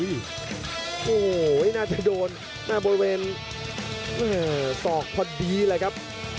โอ้โหน่าจะโดนบริเวณศอกพอดีเลยครับ